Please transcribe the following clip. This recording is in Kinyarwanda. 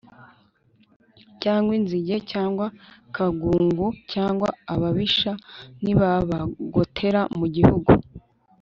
cyangwa inzige cyangwa kagungu; cyangwa ababisha nibabagotera mu gihugu